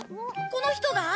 この人が？